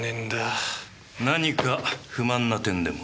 何か不満な点でも？